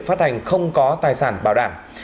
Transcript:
phát hành không có tài sản bảo đảm